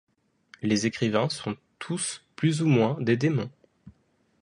Les écrivains sont tous plus ou moins des démons.